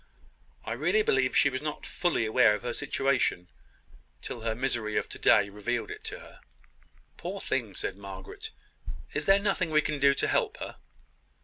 I really believe she was not fully aware of her situation, till her misery of to day revealed it to her." "Poor thing!" said Margaret. "Is there nothing we can do to help her?"